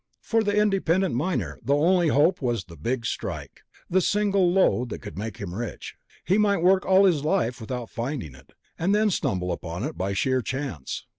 For the independent miner, the only hope was the Big Strike, the single lode that could make him rich. He might work all his life without finding it, and then stumble upon it by sheer chance....